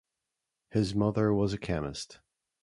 His mother was a chemist.